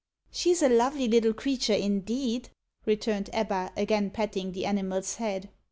"She's a lovely little creature, indeed," returned Ebba, again patting the animal's head.